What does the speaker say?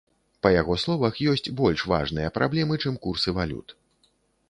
Па яго словах, ёсць больш важныя праблемы, чым курсы валют.